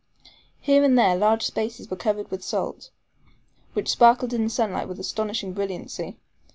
Here and there large spaces were covered with salt, which sparkled in the sunlight with astonishing brilliancy.